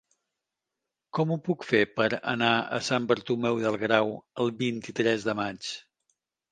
Com ho puc fer per anar a Sant Bartomeu del Grau el vint-i-tres de maig?